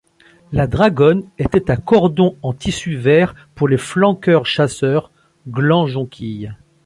La dragonne était à cordon en tissu vert pour les flanqueurs-chasseurs, gland jonquille.